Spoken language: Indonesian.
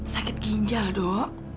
sakit ginjal dok